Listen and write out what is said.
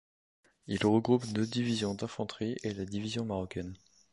Il regroupe deux divisions d'infanterie et la division marocaine.